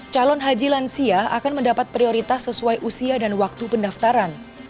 calon haji lansia akan mendapat prioritas sesuai usia dan waktu pendaftaran